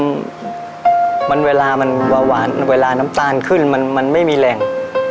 มันเวลามันเบาหวานเวลาน้ำตาลขึ้นมันไม่มีแรง